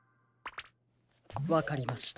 わかりました。